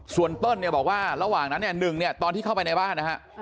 ส่วนเปิ้ลบอกว่าระหว่างนั้นตอนที่เข้าไปในบ้าน